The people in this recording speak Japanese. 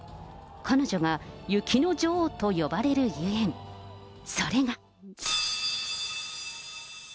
彼女が雪の女王と呼ばれるゆえん、それが。